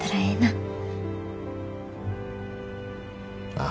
ああ。